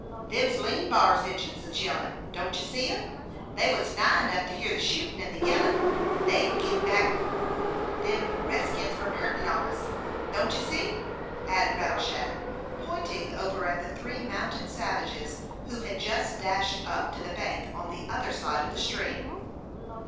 "Them's Lean B'ar's Injins that's yellin'. Don't you see 'em? They was nigh enough to hear the shootin' and the yellin', and they've kim back to keep them redskins from hurtin' on us don't you see?" added Rattleshag, pointing over at the three mounted savages who had just dashed up to the bank on the other side of the stream.